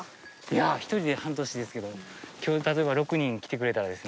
いやあ１人で半年ですけど今日例えば６人来てくれたらですね